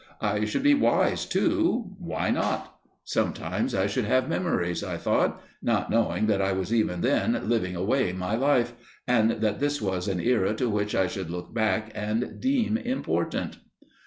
I should be wise, too why not? Sometimes I should have memories, I thought, not knowing that I was even then living away my life, and that this was an era to which I should look back and deem important.